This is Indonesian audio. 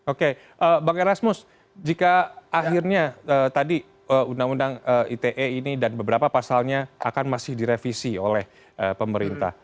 oke bang erasmus jika akhirnya tadi undang undang ite ini dan beberapa pasalnya akan masih direvisi oleh pemerintah